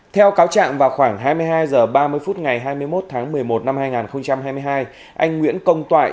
theo cáo trạng vào khoảng hai mươi hai h ba mươi phút ngày hai mươi một tháng một mươi một năm hai nghìn hai mươi hai anh nguyễn công toại